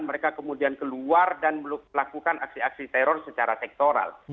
mereka kemudian keluar dan melakukan aksi aksi teror secara sektoral